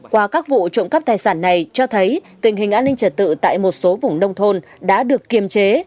qua các vụ trộm cắp tài sản này cho thấy tình hình an ninh trật tự tại một số vùng nông thôn đã được kiềm chế